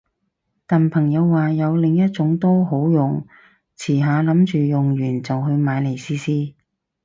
但朋友話有另一種都好用，遲下諗住用完就去買嚟試試